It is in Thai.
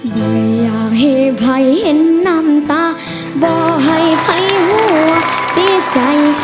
ไม่อยากให้ใครเห็นน้ำตาบอกให้ใครหัวใจ